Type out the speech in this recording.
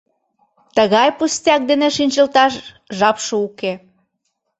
Тыгай пустяк дене шинчылташ жапше уке.